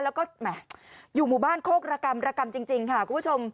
แล้วก็แหมอยู่หมู่บ้านโคกระกรรมระกรรมจริงค่ะคุณผู้ชม